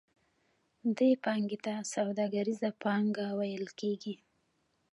دې پانګې ته سوداګریزه پانګه ویل کېږي